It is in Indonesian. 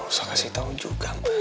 gak usah kasih tau juga mah